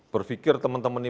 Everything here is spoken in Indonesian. berpikir teman teman ini